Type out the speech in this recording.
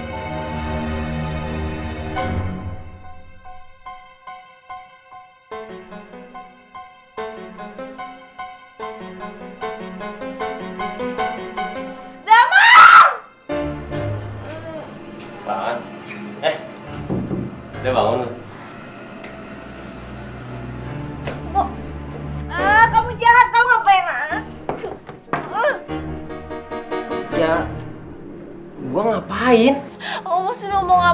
terima kasih ya